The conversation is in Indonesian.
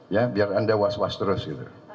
ya biar anda was was terus gitu